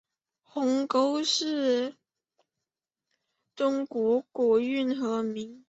鸿沟是中国的古运河名。